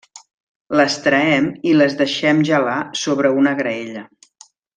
Les traem i les deixem gelar sobre una graella.